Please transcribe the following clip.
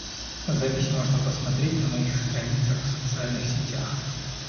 Запись можно посмотреть на моих страницах в социальных сетях.